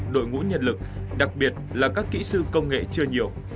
đội ngũ nhân lực đặc biệt là các kỹ sư công nghệ chưa nhiều